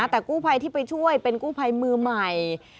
แต่กู้ภัยที่ไปช่วยเป็นกู้ภัยมือใหม่